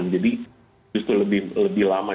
jadi justru lebih lama